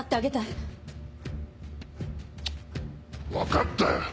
チッ分かったよ！